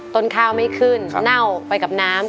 ต้นข้าวไม่ขึ้นเน่าไปกับน้ำ